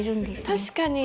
あ確かに。